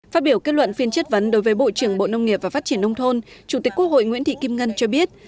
phát biểu kết luận phiên chất vấn đối với bộ trưởng bộ nông nghiệp và phát triển nông thôn chủ tịch quốc hội nguyễn thị kim ngân cho biết